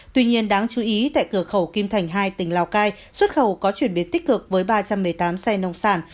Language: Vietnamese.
tuy nhiên đáng chú ý tại cửa khẩu kim thành hai tỉnh lào cai xuất khẩu có chuyển biến tích cực với ba trăm một mươi tám xe nông sản